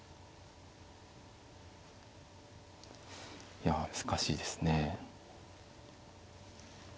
いや難しいですね。